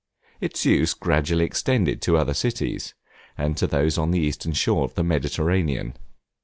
Its use gradually extended to other cities, and to those on the eastern shores of the Mediterranean.